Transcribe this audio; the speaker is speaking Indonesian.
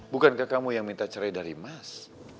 bukankah kamu yang minta cerai dari mas